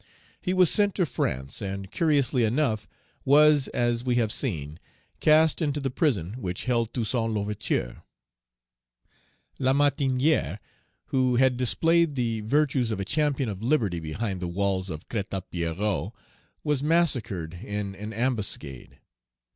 He was sent to France, and, curiously enough, was, as we have seen, cast into the prison which held Toussaint L'Ouverture. Lamartinière, who had displayed the virtues of a champion of liberty behind the walls of Crête à Pierrot, was massacred in Page 244 an ambuscade.